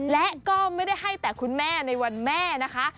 และก็ไม่ได้ให้แต่คุณแม่ในวันแม่นะคะ